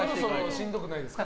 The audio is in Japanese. しんどくないですか？